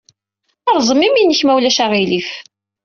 Rẓem imi-nnek, ma ulac aɣilif.